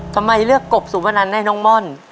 ทำไมเลือกกบสุวนันให้น้องม่อน